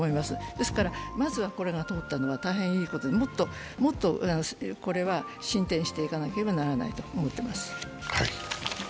ですからまずはこれが通ったのは大変いいこともっとこれは進展していかなければならないと思います。